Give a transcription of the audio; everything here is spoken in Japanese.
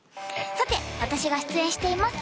さて私が出演しています